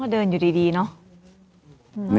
เดินอยู่ดีเนาะ